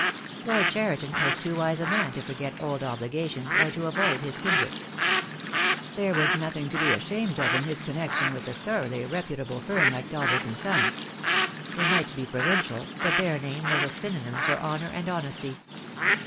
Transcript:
Lord Cheriton was too wise a man to forget old obligations or to avoid his kindred. There was nothing to be ashamed of in his connection with a thoroughly reputable firm like Dalbrook & Son. They might be , provincial, but their name was a synonym for honour and honesty.